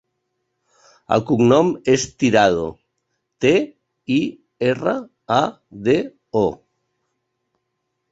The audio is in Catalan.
El cognom és Tirado: te, i, erra, a, de, o.